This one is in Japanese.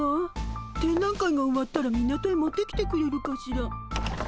展覧会が終わったら港へ持ってきてくれるかしら。